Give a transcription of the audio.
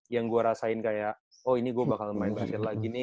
yang gue rasain kayak oh ini gue bakal main basket lagi nih